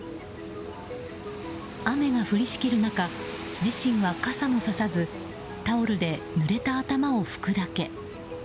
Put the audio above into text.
雨が降りしきる中自身は傘もささずタオルでぬれた頭を拭くだけ。